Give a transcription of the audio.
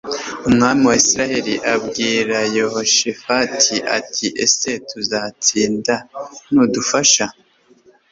umwami wa isirayeli abwira yehoshafati ati ese tuzatsinda nudufasha